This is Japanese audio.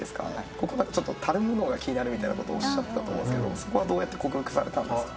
ここがちょっとたるむのが気になるみたいなことおっしゃってたと思うんですけどそこはどうやって克服されたんですか？